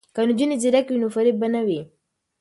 که نجونې ځیرکې وي نو فریب به نه وي.